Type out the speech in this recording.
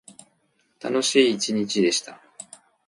楽しい一日でした。